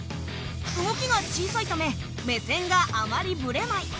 動きが小さいため目線があまりブレない。